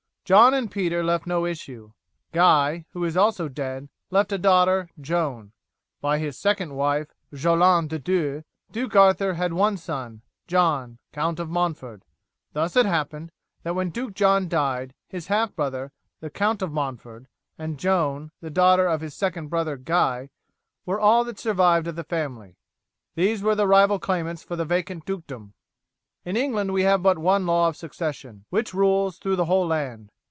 John and Peter left no issue. Guy, who is also dead, left a daughter, Joan. By his second wife, Jolande de Dieux, Duke Arthur had one son, John, Count of Montford. Thus it happened, that when Duke John died, his half brother, the Count of Montford, and Joan, daughter of his second brother Guy, were all that survived of the family. These were the rival claimants for the vacant dukedom. In England we have but one law of succession, which rules through the whole land.